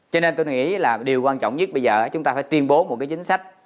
cho nên tôi nghĩ là điều quan trọng nhất bây giờ là chúng ta phải tuyên bố một cái chính sách